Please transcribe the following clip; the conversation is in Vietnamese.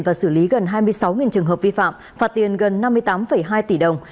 và xử lý gần hai mươi sáu trường hợp vi phạm phạt tiền gần năm mươi tám hai tỷ đồng